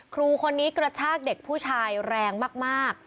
ครูคนนี้กระชากเด็กผู้ชายแรงมาก